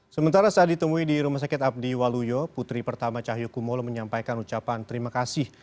sementara saat ditemui di rumah sakit abdi waluyo putri pertama cahyokumolo menyampaikan ucapan terima kasih